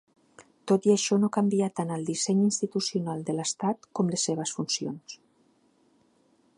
Tot i això, no canvia tant el disseny institucional de l'estat com les seves funcions.